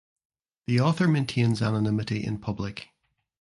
The author maintains anonymity in public.